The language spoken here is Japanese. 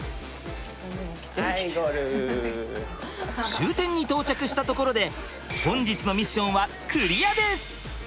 終点に到着したところで本日のミッションはクリアです！